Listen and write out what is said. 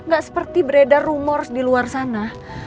gak seperti beredar rumor di luar sana